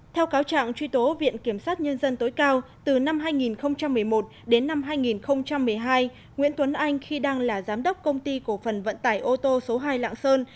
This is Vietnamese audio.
theo cáo trạng truy tố viện kiểm sát nhân dân tối cao từ năm hai nghìn một mươi một đến năm hai nghìn một mươi hai nguyễn tuấn anh khi đang là giám đốc công ty cổ phần vận tải ô tô số hai lạng sơn